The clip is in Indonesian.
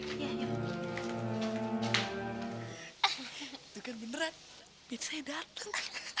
tuh kan beneran bisa dateng